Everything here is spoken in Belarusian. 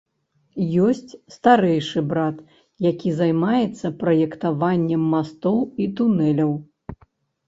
Ёсць старэйшы брат, які займаецца праектаваннем мастоў і тунэляў.